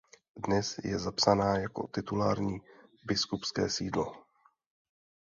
Dnes je zapsána jako titulární biskupské sídlo.